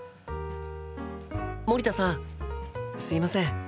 森田さんすいません